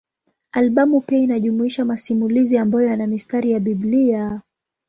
Albamu pia inajumuisha masimulizi ambayo yana mistari ya Biblia.